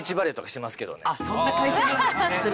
そんな会社なんですね。